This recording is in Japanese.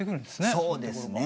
そうですね。